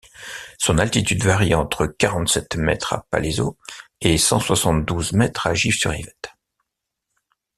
Son altitude varie entre quarante-sept mètres à Palaiseau et cent soixante-douze mètres à Gif-sur-Yvette.